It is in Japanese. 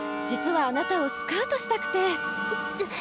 実はあなたをスカウトしたくて。